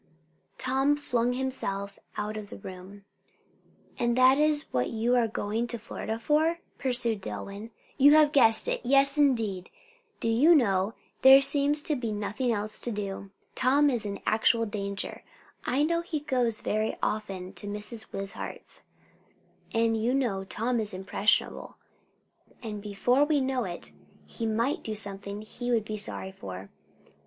Tom flung himself out of the room. "And that is what you are going to Florida for?" pursued Dillwyn. "You have guessed it! Yes, indeed. Do you know, there seems to be nothing else to do. Tom is in actual danger. I know he goes very often to Mrs. Wishart's; and you know Tom is impressible; and before we know it he might do something he would be sorry for.